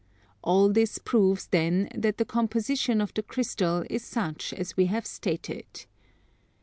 All this proves then that the composition of the crystal is such as we have stated.